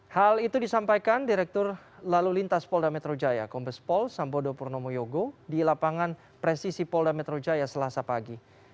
hal itu disampaikan direktur lalu lintas polda metro jaya kombes pol sambodo purnomo yogo di lapangan presisi polda metro jaya selasa pagi